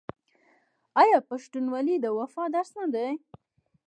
آیا پښتونولي د وفا درس نه دی؟